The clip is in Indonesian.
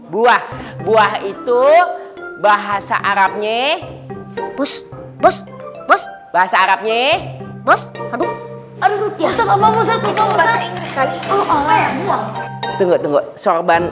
buah buah itu bahasa arabnya bos bos bos bahasa arabnya bos aduh aduh enggak tunggu tunggu sorban